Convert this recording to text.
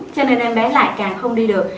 cho nên em bé lại càng không đi được